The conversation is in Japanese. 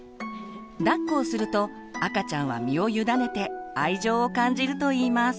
だっこをすると赤ちゃんは身を委ねて愛情を感じるといいます。